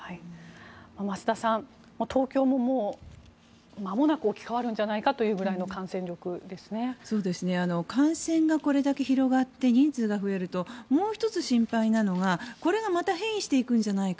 増田さん、東京ももうまもなく置き換わるんじゃないかというぐらいの感染がこれだけ広がって人数が増えるともう１つ心配なのがこれがまた変異していくんじゃないか。